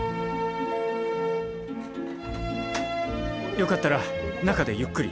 よかったら中でゆっくり。